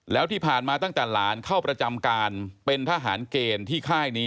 แล้วที่ผ่านมาตั้งแต่หลานเข้าประจำการเป็นทหารเกณฑ์ที่ค่ายนี้